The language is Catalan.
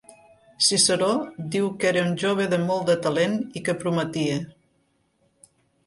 Ciceró diu que era un jove de molt de talent i que prometia.